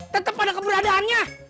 tetep ada keberadaannya